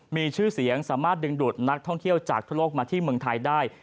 มีชื่อเสียงสามารถดึงดูดนักท่องเที่ยวจากทั่วโลกมาที่เมืองไทยได้